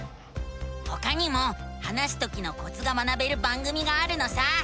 ほかにも話すときのコツが学べる番組があるのさ！